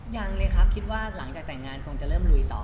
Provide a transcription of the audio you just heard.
ยังเลยครับคิดว่าหลังจากแต่งงานคงจะเริ่มลุยต่อ